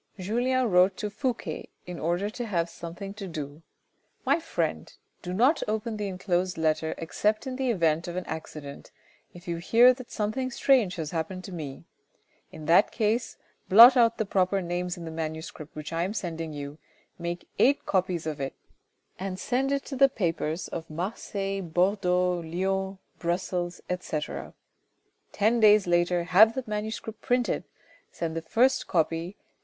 Julien wrote to Fouque in order to have something to do. " My friend, do not open the enclosed letter except in the event of an accident, if you hear that something strange has happened to me. In that case blot out the proper names in the manuscript which I am sending you, make eight copies of it, and send it to the papers of Marseilles, Bordeaux, Lyons, Brussels, etc. Ten days later have the manuscript printed, send the first copy to M.